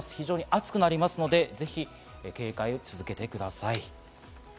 暑くなりますので、ぜひ警戒を続けてください。